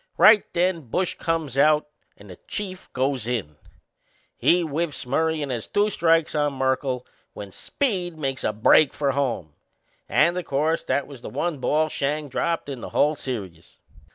Right then Bush comes out and the Chief goes in. He whiffs Murray and has two strikes on Merkle when Speed makes a break for home and, o' course, that was the one ball Schang dropped in the whole serious!